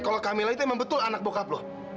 kalau kamila itu emang betul anak bokap lo